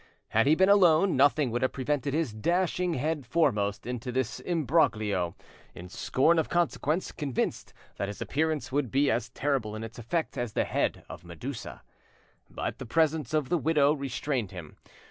Had he been alone, nothing would have prevented his dashing head foremost into this imbroglio, in scorn of consequence, convinced that his appearance would be as terrible in its effect as the head of Medusa. But the presence of the widow restrained him.